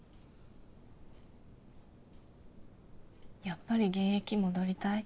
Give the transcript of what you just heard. やっぱり現役戻りたい？